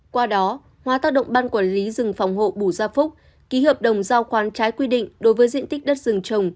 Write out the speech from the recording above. qua đó hóa tác động ban quản lý rừng phòng hộ bù gia phúc ký hợp đồng giao khoán trái quy định đối với diện tích đất rừng trồng